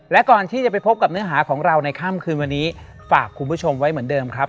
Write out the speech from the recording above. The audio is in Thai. และก่อนที่จะไปพบกับเนื้อหาของเราในค่ำคืนวันนี้ฝากคุณผู้ชมไว้เหมือนเดิมครับ